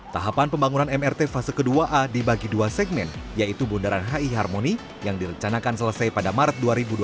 tahapan pembangunan mrt fase ke dua a dibagi dua segmen yaitu bendaran hi harmoni yang direcanakan selesai pada maret dua ribu dua puluh lima